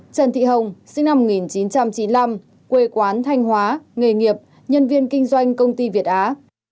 trần thị hồng sinh năm một nghìn chín trăm chín mươi năm quê quán thanh hóa nghề nghiệp nhân viên kinh doanh công ty việt á